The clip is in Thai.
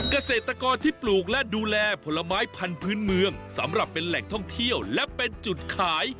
เกษตรกรที่ปลูกและดูแลผลไม้พันธุ์เมืองสำหรับเป็นแหล่งท่องเที่ยวและเป็นจุดขาย